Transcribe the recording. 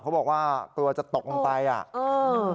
เขาบอกว่ากลัวจะตกลงไปอ่ะเออ